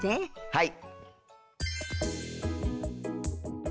はい。